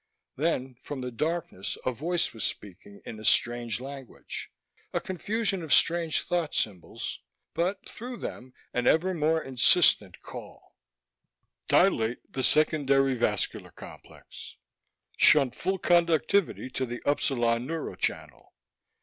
Then from the darkness a voice was speaking in a strange language: a confusion of strange thought symbols, but through them an ever more insistent call: _... dilate the secondary vascular complex, shunt full conductivity to the upsilon neuro channel.